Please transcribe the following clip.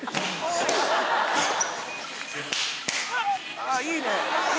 あぁいいね！